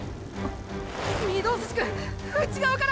御堂筋くん内側から！